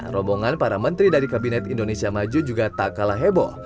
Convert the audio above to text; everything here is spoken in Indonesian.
rombongan para menteri dari kabinet indonesia maju juga tak kalah heboh